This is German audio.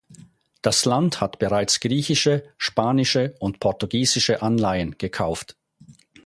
Das Land hat bereits griechische, spanische und portugiesische Anleihen gekauft.